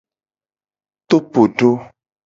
Topodo.